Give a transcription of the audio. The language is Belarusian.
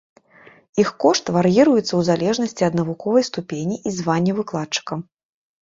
Іх кошт вар'іруецца ў залежнасці ад навуковай ступені і звання выкладчыка.